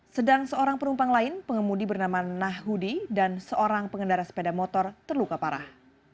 sedang seorang penumpang lain pengemudi bernama nahudi dan seorang pengendara sepeda motor terluka parah